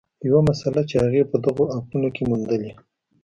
یوه مسله چې هغې په دغو اپونو کې موندلې